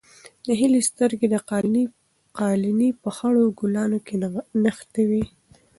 د هیلې سترګې د قالینې په خړو ګلانو کې نښتې وې.